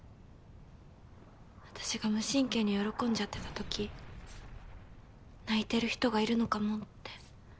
私が無神経に喜んじゃってたとき泣いてる人がいるのかもって。